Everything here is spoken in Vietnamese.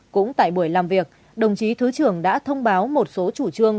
cũng tại buổi làm việc đồng chí thứ trưởng đã thông báo một số chủ trương